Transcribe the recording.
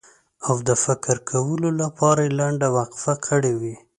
او د فکر کولو لپاره یې لنډه وقفه کړې وي.